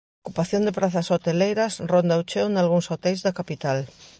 A ocupación de prazas hoteleiras ronda o cheo nalgúns hoteis da capital.